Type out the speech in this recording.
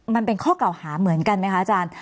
มันเป็นข้อเก่าหาเหมือนกันไหมคะอาจารย์